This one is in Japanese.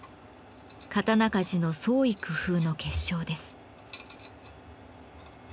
刀鍛冶の創意工夫の結晶です。